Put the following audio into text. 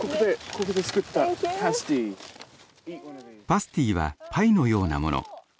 パスティはパイのようなもの。